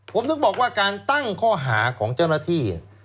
ผมถึงบอกว่าการตั้งข้อหาของเจ้าหน้าที่